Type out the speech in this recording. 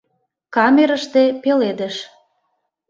Камерыште пеледыш